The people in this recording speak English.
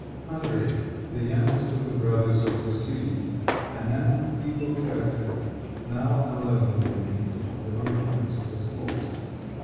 André, the youngest of the brothers of Vassili, a man of feeble character, now alone remained of the royal princes at court.